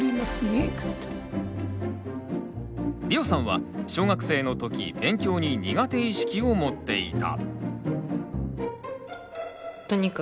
りょうさんは小学生の時勉強に苦手意識を持っていた。